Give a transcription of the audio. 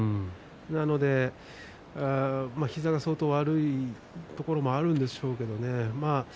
なので膝が相当悪いところもあるんでしょうけれどね。